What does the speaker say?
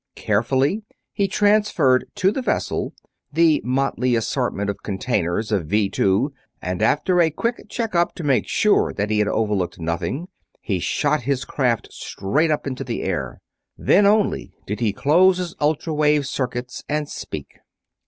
Carefully he transferred to the vessel the motley assortment of containers of Vee Two, and after a quick check up to make sure that he had overlooked nothing, he shot his craft straight up into the air. Then only did he close his ultra wave circuits and speak.